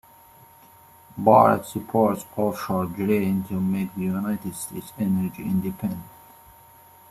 Barrett supports offshore drilling to make the United States energy independent.